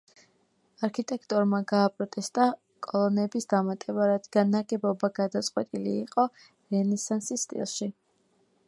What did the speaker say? არქიტექტორმა გააპროტესტა კოლონების დამატება, რადგან ნაგებობა გადაწყვეტილი იყო რენესანსის სტილში.